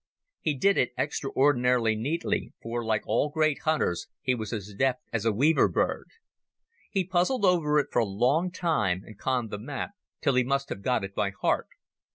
He did it extraordinarily neatly, for, like all great hunters, he was as deft as a weaver bird. He puzzled over it for a long time, and conned the map till he must have got it by heart.